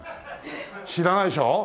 知らないでしょ？